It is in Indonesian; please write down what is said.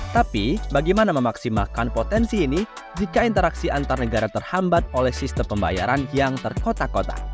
tapi bagaimana memaksimalkan potensi ini jika interaksi antar negara terhambat oleh sistem pembayaran yang terkotak kotak